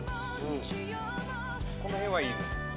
この辺はいいのよ。